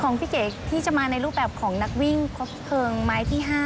พี่เก๋ที่จะมาในรูปแบบของนักวิ่งโค้ชเพลิงไม้ที่๕